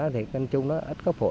thì nói chung nó ít có phụ